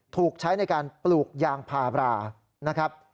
ถูกใช้ในการปลูกยางพารานะครับ